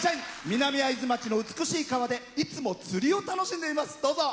南会津町の美しい川でいつも釣りを楽しんでいます。